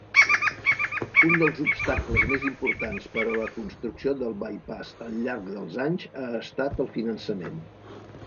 Un dels obstacles més importants per a la construcció del bypass al llarg dels anys ha estat el finançament.